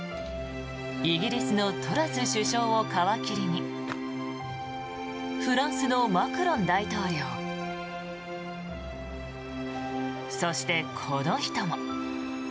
イギリスのトラス首相を皮切りにフランスのマクロン大統領そして、この人も。